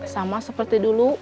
sama seperti dulu